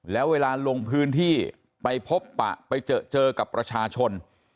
แล้วเวลาลงพื้นที่ไปพบปะไปเจอเจอกับประชาชน